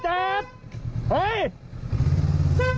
จอดจอด